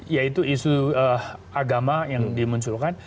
yaitu isu agama yang dimunculkan